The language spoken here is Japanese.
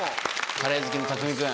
カレー好きの匠海君。